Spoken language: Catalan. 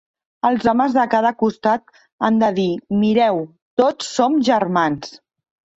Els homes de cada costat han de dir: "Mireu, tots som germans".